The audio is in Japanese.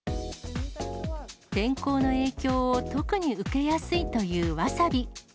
天候の影響を特に受けやすいというわさび。